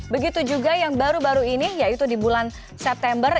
begitu juga yang baru baru ini yaitu di bulan september